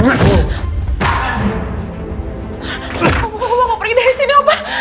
gue mau pergi dari sini mbak